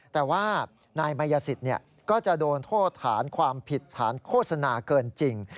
แต่ว่านายมายสิทธิ์ก็จะโดนโทษฐานความผิดฐานโฆษณาเกินจริง